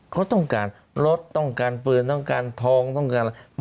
เขาต้องการรถต้องการปืนต้องการทองต้องการอะไร